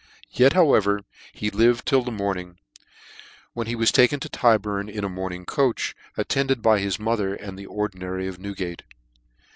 Yet, however, he lived till the morn ing, when he was taken to Tyburn in a mourning coach, attended by his mother, and the Ordinary of Newgate.